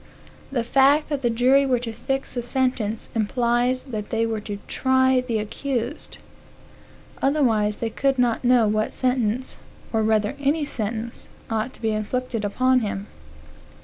The fact that the jury were to fix the sentence, implies that they were to try the accused; otherwise they could not know what sentence, or whether any sentence, ought to be inflicted upon him.